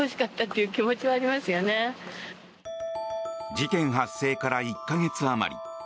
事件発生から１か月あまり。